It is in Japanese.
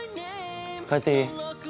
帰っていい？